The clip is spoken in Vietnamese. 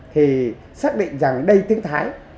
thì xác định rằng đây tiếng thái